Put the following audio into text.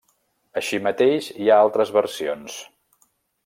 Així mateix, hi ha altres versions.